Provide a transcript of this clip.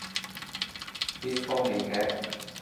邊方面嘅？